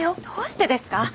どうしてですか？